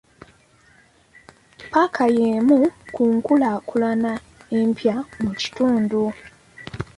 Ppaaka y'emu ku nkulaakulana empya mu kitundu.